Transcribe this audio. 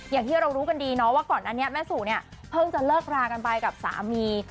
อย่างที่เรารู้กันดีเนาะว่าก่อนอันนี้แม่สู่เนี่ยเพิ่งจะเลิกรากันไปกับสามี